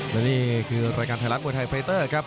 และนี่คือรายการไทยรัฐมวยไทยไฟเตอร์ครับ